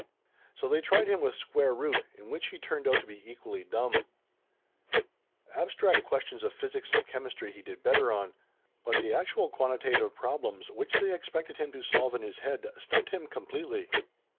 So they tried him with square root, in which he turned out to be equally dumb. Abstract questions of physics and chemistry he did better on; but the actual quantitative problems, which they expected him to solve in his head, stumped him completely.